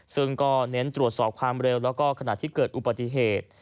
ซึ่งก็เน้นตรวจสอบความเร็วแล้วก็ขณะที่เกิดอุบัติเหตุ